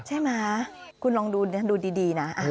ใช่ไหมคุณลองดูดีนะ